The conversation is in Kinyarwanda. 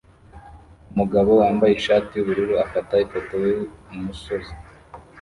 Umugabo wambaye ishati yubururu afata ifoto yumusozi